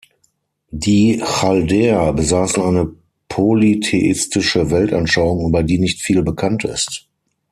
Die Chaldäer besaßen eine polytheistische Weltanschauung, über die nicht viel bekannt ist.